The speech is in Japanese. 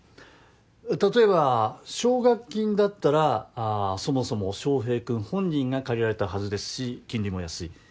例えば奨学金だったらそもそも翔平君本人が借りられたはずですし金利も安い。